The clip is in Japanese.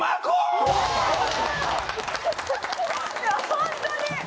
ホントに！